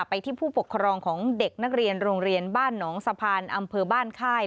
ที่ผู้ปกครองของเด็กนักเรียนโรงเรียนบ้านหนองสะพานอำเภอบ้านค่าย